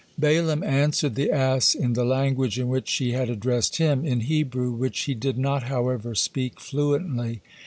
Balaam answered the ass in the language in which she had addressed him, in Hebrew, which he did not, however, speak fluently.